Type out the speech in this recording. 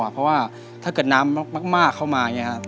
เพราะว่าถ้าเกิดน้ำมากเข้ามาอย่างนี้ครับ